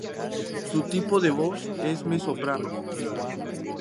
Su tipo de voz es mezzosoprano.